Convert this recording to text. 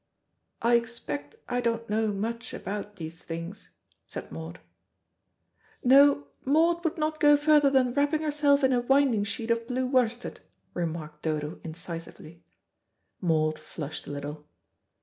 "I expect I don't know much about these things," said Maud. "No; Maud would not go further than wrapping herself in a winding sheet of blue worsted," remarked Dodo incisively. Maud flushed a little.